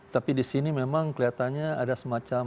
tapi di sini memang kelihatannya ada semacam